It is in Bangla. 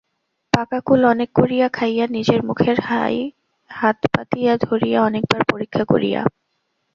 পাকা কুল অনেক করিয়া খাইয়া নিজের মুখের হাই হাত পাতিয়া ধরিয়া অনেকবার পরীক্ষা করিয়া।